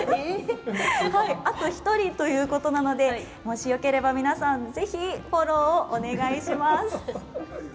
あと１人ということなのでもしよければ皆さんぜひ、フォローをお願いします。